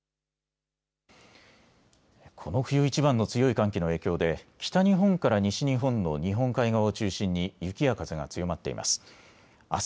この冬いちばんの強い寒気の影響で北日本から西日本の日本海側を中心に雪や風が強まっています。